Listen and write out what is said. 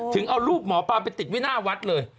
เอารูปหมอปลาไปติดไว้หน้าวัดเลย